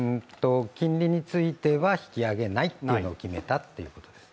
金利については引き上げないことを決めたということです。